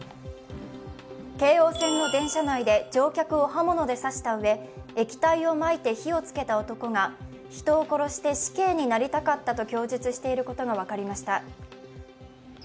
京王線の電車内で乗客を刃物で刺したうえ、液体をまいて火をつけた男が、人を殺して死刑になりたかったと供述していることが分かりました。